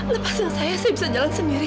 lepas yang saya saya bisa jalan sendiri